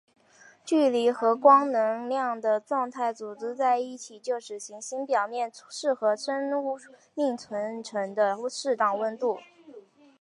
距离和光能量的状态组合在一起就是行星表面适合生命生存的适当温度。